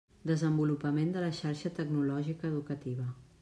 Desenvolupament de la Xarxa Tecnològica Educativa.